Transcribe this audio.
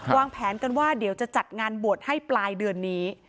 วางแผนกันว่าเดี๋ยวจะจัดงานบวชให้ปลายเดือนนี้